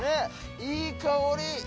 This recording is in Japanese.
いい香り。